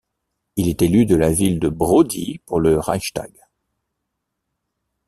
Il est élu de la ville de Brody pour le Reichstag.